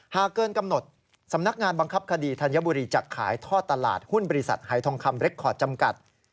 หากเกินกำหนดสำนักงานบังคับคดีธัญบุรีจะขายทอดตลาดหุ้นบริษัทหายทองคำเรคคอร์ดจำกัด